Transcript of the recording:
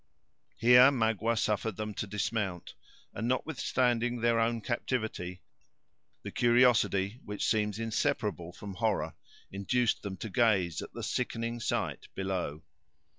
Here Magua suffered them to dismount; and notwithstanding their own captivity, the curiosity which seems inseparable from horror, induced them to gaze at the sickening sight below.